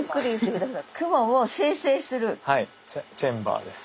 チェンバーです。